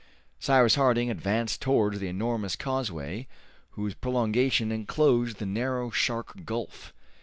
Cyrus Harding advanced towards the enormous causeway whose prolongation enclosed the narrow Shark Gulf.